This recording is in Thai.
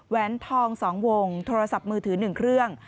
แวนทอง๒วงโทรศัพท์มือถือ๑เครื่อง